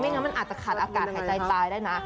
งั้นมันอาจจะขาดอากาศหายใจตายได้นะ